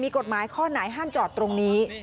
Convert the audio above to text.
มีกฎหมายข้อไหนห้ามจอดตรงนี้